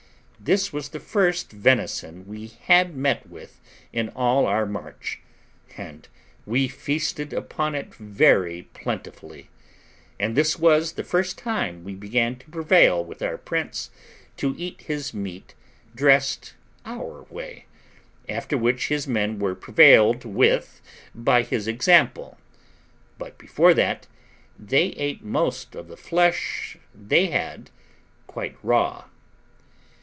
This was the first venison we had met with in all our march, and we feasted upon it very plentifully; and this was the first time we began to prevail with our prince to eat his meat dressed our way; after which his men were prevailed with by his example, but before that, they ate most of the flesh they had quite raw.